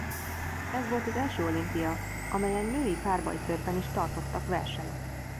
Ez volt az első olimpia amelyen női párbajtőrben is tartottak versenyt.